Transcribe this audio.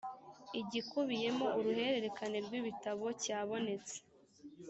igikubiyemo uruhererekane rw’ibitabo cyabonetse